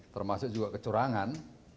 termasuk juga kecurangan